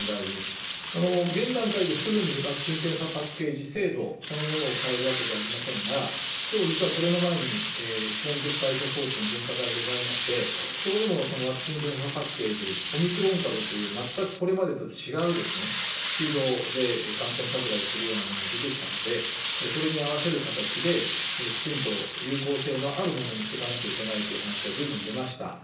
現段階で、すぐにワクチン・検査パッケージ制度そのものを変えるわけではありませんが、きょう、実はこれの前に、基本的対処方針分科会ございまして、そこでもワクチン・検査パッケージ、オミクロン株という全くこれまでと違うスピードで感染拡大するようなものが出てきたので、それに合わせる形で、きちんと有効性のあるものにしていかなきゃいけないという話がずいぶん出ました。